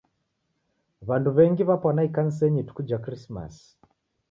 W'andu w'engi w'apwana ikanisenyi ituku ja Krismasi.